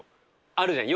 あるじゃん。